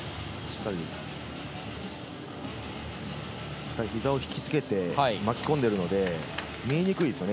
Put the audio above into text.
しっかり膝を引きつけて巻き込んでいるので見にくいですよね。